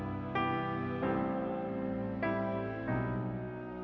kau mau pergi ke mana